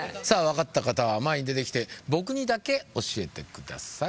わかった方は前に出てきて僕にだけ教えてください